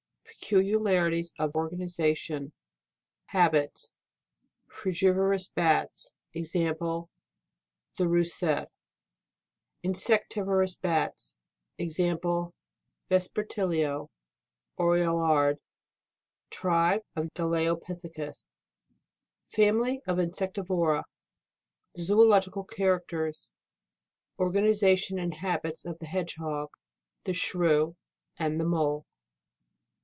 Peculiarities of organization.. Habits. Frugivorous Bats, (example, the Ronsctte} Insectivorous Bats, (example, Vespertilio,0reillard) Tribe, of Galeopitliecus. FAMILY OP INSECTIVORA. Zoological characters. Organization and habits of the Hedge hog. The Shrew, and the Mole.